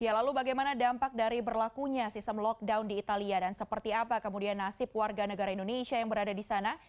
lalu bagaimana dampak dari berlakunya sistem lockdown di italia dan seperti apa kemudian nasib warga negara indonesia yang berada di sana